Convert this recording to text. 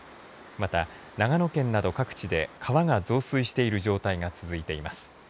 また長野県など各地で川が増水している状態が続いています。